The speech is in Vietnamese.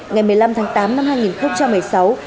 ngày một mươi năm tháng tám năm hai nghìn một mươi sáu